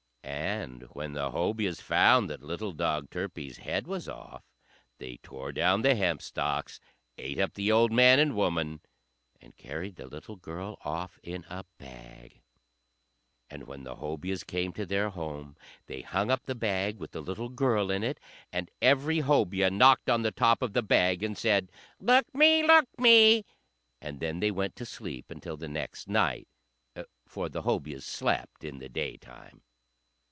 And when the Hobyahs found that little dog Turpie's head was off they tore down the hempstalks, ate up the old man and woman, and carried the little girl off in a bag. And when the Hobyahs came to their home they hung up the bag with the little girl in it, and every Hobyah knocked on the top of the bag and said, "Look me! look me!" And then they went to sleep until the next night, for the Hobyahs slept in the daytime.